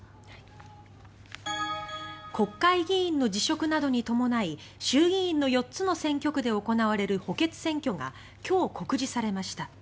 国会議員の辞職などに伴い衆議院の４つの選挙区で行われる補欠選挙が今日、告示されました。